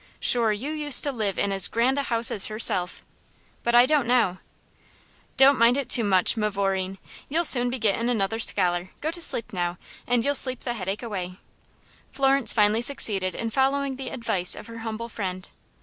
"Shure you used to live in as grand a house as herself." "But I don't now." "Don't mind it too much, mavoureen. You'll soon be gettin' another scholar. Go to sleep now, and you'll sleep the headache away." Florence finally succeeded in following the advice of her humble friend.